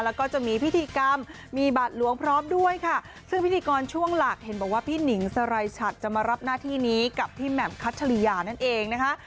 แล้วก็จะมีพิธีกรรมมีบัตรหลวงพร้อมด้วยค่ะซึ่งพิธีกรช่วงหลักเห็นบอกว่าพี่หนิงสไรชัดจะมารับหน้าที่นี้กับพี่แหม่มคัชริยานั่นเองนะคะ